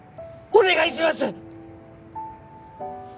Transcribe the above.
お願いします！